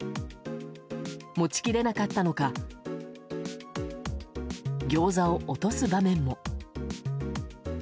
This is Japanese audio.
持ち切れなかったのかギョーザを落とす場面も。